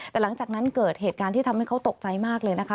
แต่หลังจากนั้นเกิดเหตุการณ์ที่ทำให้เขาตกใจมากเลยนะคะ